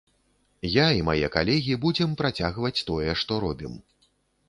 Я і мае калегі будзем працягваць тое, што робім.